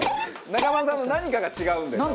中丸さんの何かが違うんだよな。